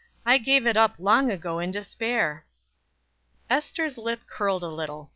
"I gave it up long ago in despair." Ester's lip curled a little. Mrs.